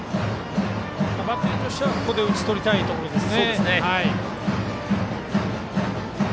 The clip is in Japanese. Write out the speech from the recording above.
バッテリーとしてはここで打ち取りたいところです。